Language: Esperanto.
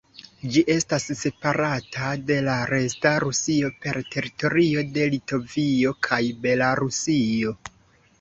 Ĝi estas separata de la "resta" Rusio per teritorio de Litovio kaj Belarusio.